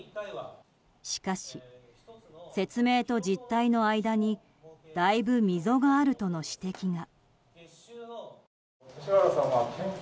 しかし説明と実態の間にだいぶ、溝があるとの指摘が。